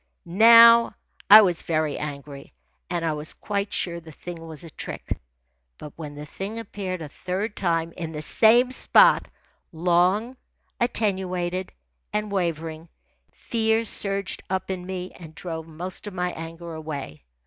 Now I was very angry, and I was quite sure the thing was a trick; but when the thing appeared a third time, in the same spot, long, attenuated, and wavering, fear surged up in me and drove most of my anger away.